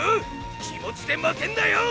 気持ちで負けんなよ！